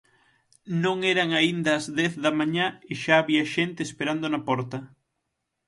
Non eran aínda as dez da mañá e xa había xente esperando na porta.